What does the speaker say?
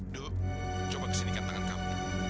duk coba kesinikan tangan kamu